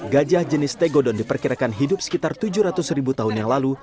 gajah jenis tegodon diperkirakan hidup sekitar tujuh ratus ribu tahun yang lalu